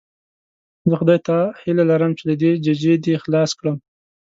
زه خدای ته هیله لرم چې له دې ججې دې خلاص کړم.